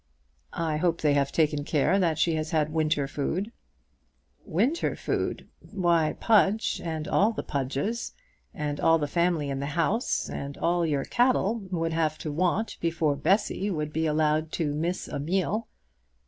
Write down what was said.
"I hope they have taken care that she has had winter food." "Winter food! Why Pudge, and all the Pudges, and all the family in the house, and all your cattle would have to want, before Bessy would be allowed to miss a meal.